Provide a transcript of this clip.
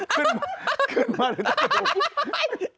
ขึ้นมาขึ้นมาแล้วจะดู